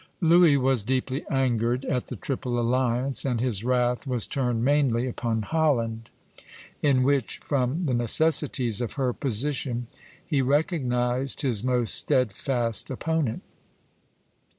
Louis was deeply angered at the Triple Alliance, and his wrath was turned mainly upon Holland, in which from the necessities of her position he recognized his most steadfast opponent.